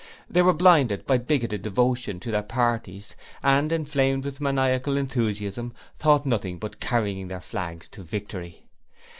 They were blinded by bigoted devotion to their parties, and inflamed with maniacal enthusiasm thought of nothing but 'carrying their flags to victory'.